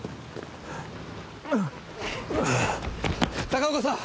高岡さん！